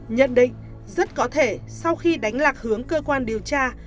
nhận định rất có thể sau khi đánh lạc hướng cơ quan điều tra